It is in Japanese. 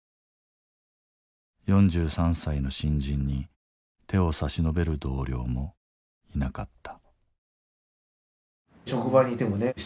４３歳の新人に手を差し伸べる同僚もいなかった。